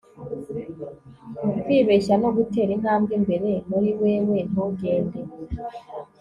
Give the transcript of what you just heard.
kwibeshya no gutera intambwe imbere muri wewe ntugende